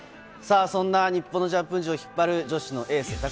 そんな日本のジャンプ陣を引っ張る女子のエース。